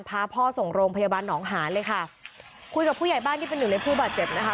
พาพ่อส่งโรงพยาบาลหนองหานเลยค่ะคุยกับผู้ใหญ่บ้านที่เป็นหนึ่งในผู้บาดเจ็บนะคะ